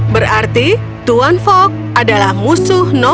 berarti tuan fogg adalah musuh normal